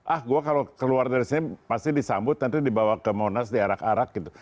ah gue kalau keluar dari sini pasti disambut nanti dibawa ke monas diarak arak gitu